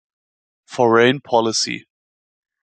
Foreign Policy.